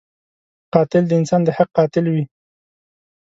قاتل د انسان د حق قاتل وي